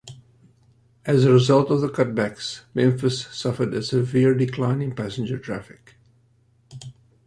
As a result of the cutbacks, Memphis suffered a severe decline in passenger traffic.